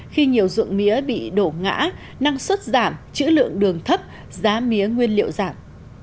khi nhiều dụng mía bị đổ ngã năng suất giảm chữ lượng đường thấp giá mía nguyên liệu giảm